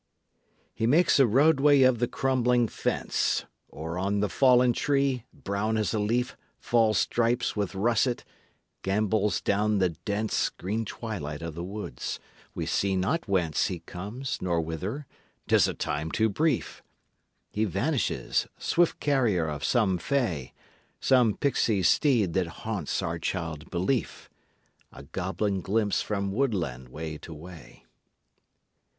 He makes a roadway of the crumbling fence, Or on the fallen tree, brown as a leaf Fall stripes with russet, gambols down the dense Green twilight of the woods. We see not whence He comes, nor whither 'tis a time too brief! He vanishes; swift carrier of some Fay, Some pixy steed that haunts our child belief A goblin glimpse from woodland way to way.